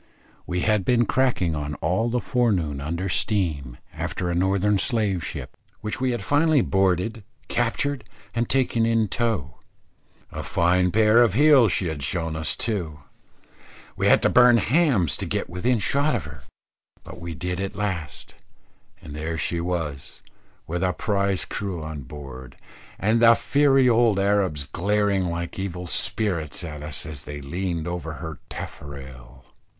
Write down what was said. We had been cracking on all the forenoon under steam, after a Northern slave ship, which we had finally boarded, captured, and taken in tow. A fine pair of heels she had shown us too. We had to burn hams to get within shot of her. But we did at last, and there she was, with a prize crew on board, and the fiery old Arabs glaring like evil spirits at us as they leaned over her taffrail.